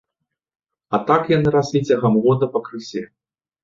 А так яны раслі цягам года па крысе.